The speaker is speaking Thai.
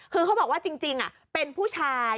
คือเขาบอกว่าจริงเป็นผู้ชาย